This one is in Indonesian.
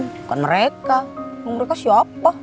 bukan mereka mereka siapa